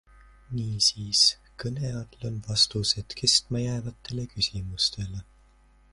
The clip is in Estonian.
Niisiis, kõne all on vastused kestma jäävatele küsimustele.